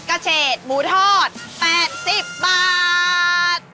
กาเชศหมูทอด๘๐บาท